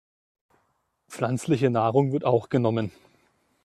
Pflanzliche Nahrung wird auch genommen.